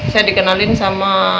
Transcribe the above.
saya dikenalin sama